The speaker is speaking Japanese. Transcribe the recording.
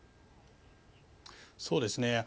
そうですね。